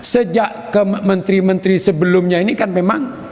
sejak kementri mentri sebelumnya ini kan memang